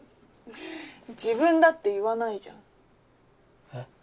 自分だって言わないじゃん。え？